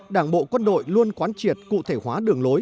đảng bộ quân đội luôn quán triệt cụ thể hóa đường lối